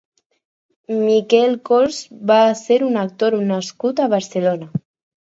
Miquel Cors va ser un actor nascut a Barcelona.